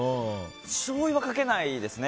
しょうゆはかけないですね。